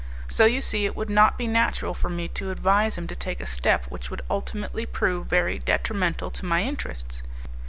So you see it would not be natural for me to advise him to take a step which would ultimately prove very detrimental to my interests.